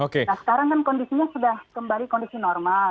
nah sekarang kan kondisinya sudah kembali kondisi normal